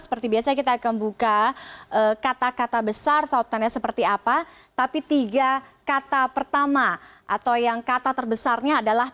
seperti biasanya kita akan buka kata kata besar tautannya seperti apa tapi tiga kata pertama atau yang kata terbesarnya adalah